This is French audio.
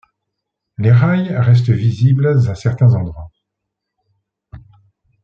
Les rails restent visibles à certains endroits.